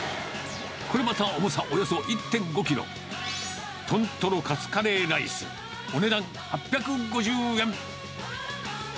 これまた重さおよそ１．５キロ、豚トロカツカレーライス、お値段８５０円。